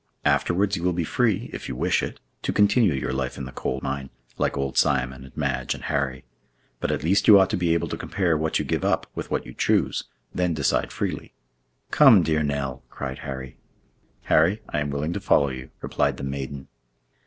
Afterwards you will be free, if you wish it, to continue your life in the coal mine, like old Simon, and Madge, and Harry. But at least you ought to be able to compare what you give up with what you choose, then decide freely. Come!" "Come, dear Nell!" cried Harry. "Harry, I am willing to follow you," replied the maiden.